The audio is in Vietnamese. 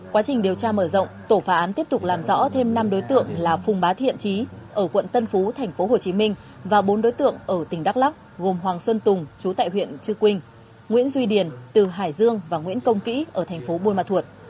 quá trình điều tra mở rộng tổ phá án tiếp tục làm rõ thêm năm đối tượng là phùng bá thiện trí ở quận tân phú thành phố hồ chí minh và bốn đối tượng ở tỉnh đắk lắc gồm hoàng xuân tùng chú tại huyện trư quynh nguyễn duy điền từ hải dương và nguyễn công kĩ ở thành phố buôn ma thuột